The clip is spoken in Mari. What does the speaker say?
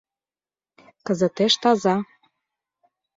— Кызытеш таза...